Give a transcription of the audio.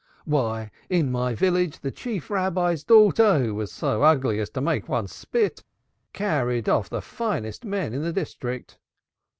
Why in my village the Chief Rabbi's daughter, who was so ugly as to make one spit out, carried off the finest man in the district."